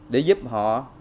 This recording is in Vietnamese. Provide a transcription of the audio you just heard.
để giúp chúng tôi